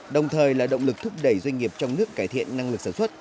đồng thời là động lực thúc đẩy doanh nghiệp trong nước cải thiện năng lực sản xuất